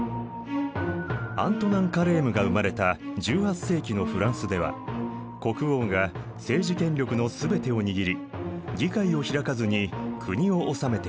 アントナン・カレームが生まれた１８世紀のフランスでは国王が政治権力のすべてを握り議会を開かずに国を治めていた。